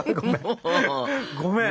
ごめん！